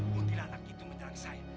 kuntilanak itu menyangsai